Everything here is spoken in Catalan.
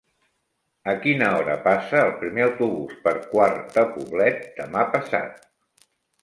A quina hora passa el primer autobús per Quart de Poblet demà passat?